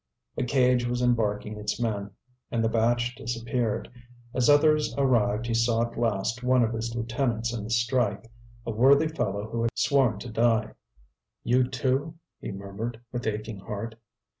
A cage was embarking its men, and the batch disappeared; as others arrived he saw at last one of his lieutenants in the strike, a worthy fellow who had sworn to die. "You too!" he murmured, with aching heart.